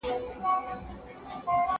پلار خپل زوی ته نوې کیسه کوي.